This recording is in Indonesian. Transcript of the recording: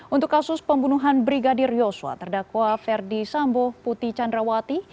untuk kasus pembunuhan brigadir yosua terdakwa ferdi sambo putri candrawati